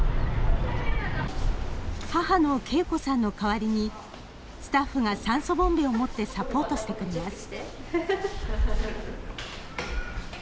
母の恵子さんの代わりに、スタッフが酸素ボンベを持ってサポートしてくれます。